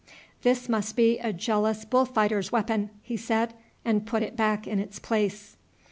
"This must be a jealous bull fighter's weapon," he said, and put it back in its place.